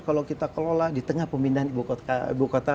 kalau kita kelola di tengah pemindahan ibu kota